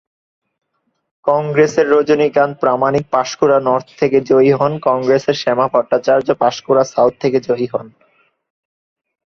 কংগ্রেসের রজনীকান্ত প্রামাণিক পাঁশকুড়া নর্থ থেকে জয়ী হন, কংগ্রেসের শ্যামা ভট্টাচার্য পাঁশকুড়া সাউথ থেকে জয়ী হন।